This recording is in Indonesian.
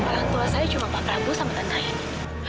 lantuan saya cuma pak prabu sama tante aini